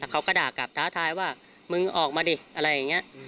เขาก็ด่ากลับท้าทายว่ามึงออกมาดิอะไรอย่างนี้